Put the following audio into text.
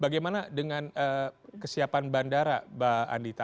bagaimana dengan kesiapan bandara mbak andita